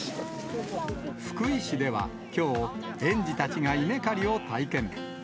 福井市ではきょう、園児たちが稲刈りを体験。